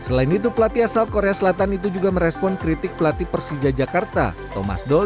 selain itu pelatih asal korea selatan itu juga merespon kritik pelatih persija jakarta thomas doll